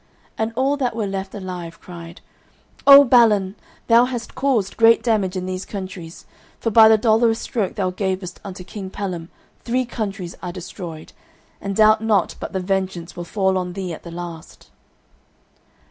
And all that were left alive cried: "O Balin, thou hast caused great damage in these countries, for by the dolorous stroke thou gavest unto King Pellam three countries are destroyed, and doubt not but the vengeance will fall on thee at the last."